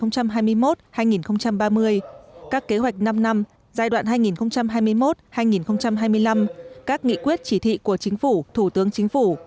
các kế hoạch năm năm giai đoạn hai nghìn hai mươi một hai nghìn hai mươi năm các nghị quyết chỉ thị của chính phủ thủ tướng chính phủ